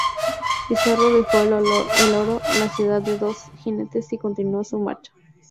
Pizarro dejó el oro al cuidado de dos jinetes y continuó su marcha.